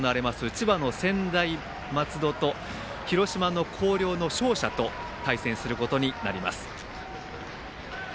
千葉の専大松戸と広島の広陵の勝者と対戦することになります。